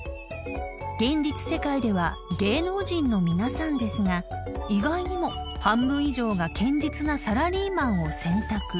［現実世界では芸能人の皆さんですが意外にも半分以上が堅実なサラリーマンを選択］